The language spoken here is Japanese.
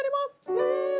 せの。